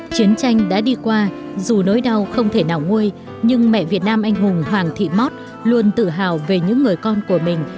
chiến tranh đã đi qua dù nỗi đau không thể nào nguôi nhưng mẹ việt nam anh hùng hoàng thị mót luôn tự hào về những người con của mình